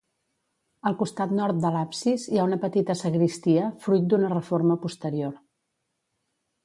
Al costat nord de l'absis, hi ha una petita sagristia, fruit d'una reforma posterior.